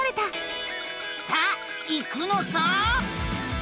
さあ行くのさ！